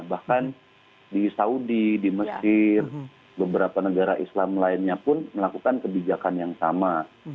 bahkan di saudi di mesir beberapa negara islam lainnya pun melakukan kebijakan yang sama